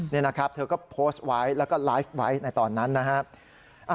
นี่นะครับเธอก็โพสต์ไว้แล้วก็ไลฟ์ไว้ในตอนนั้นนะครับ